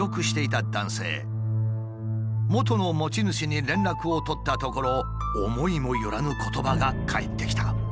元の持ち主に連絡を取ったところ思いもよらぬ言葉が返ってきた。